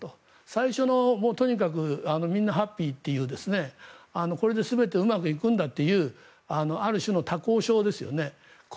最初のとにかくみんなハッピーというこれで全てうまくいくんだというある種の多幸症ですよね。